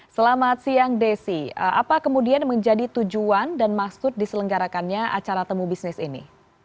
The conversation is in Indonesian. selamat siang desi apa kemudian menjadi tujuan dan maksud diselenggarakannya acara temu bisnis ini